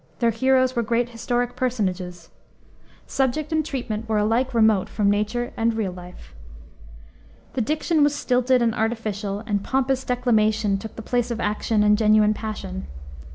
Their heroes were great historic personages. Subject and treatment were alike remote from nature and real life. The diction was stilted and artificial, and pompous declamation took the place of action and genuine passion.